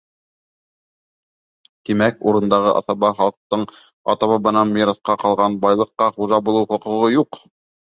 Тимәк, урындағы аҫаба халыҡтың ата-бабанан мираҫҡа ҡалған байлыҡҡа хужа булыу хоҡуғы юҡ.